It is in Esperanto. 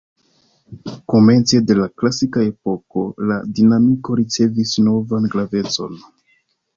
Komence de la klasika epoko la dinamiko ricevis novan gravecon.